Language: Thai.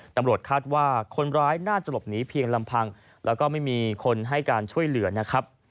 ตำรวจคาดว่าคนร้ายน่าจะหลบหนีเพียงลำพังแล้วก็ไม่มีคนให้การช่วยเหลือนะครับ